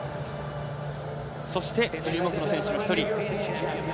そして注目の選手の１人。